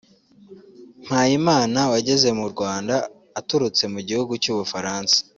Mpayimana wageze mu Rwanda aturutse mu gihugu cy’ u Bufaransa